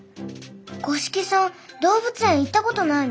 五色さん動物園行ったことないの？